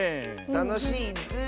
たのしいッズー。